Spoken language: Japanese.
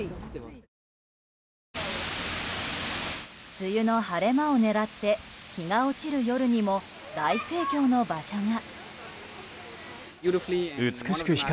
梅雨の晴れ間を狙って日が落ちる夜にも大盛況の場所が。